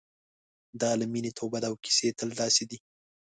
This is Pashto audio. دا له مینې توبه ده او کیسې تل داسې دي.